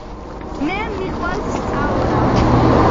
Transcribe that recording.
მე მიყვარს სწავლა